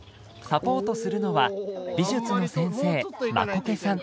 サポートするのは美術の先生マコケさん。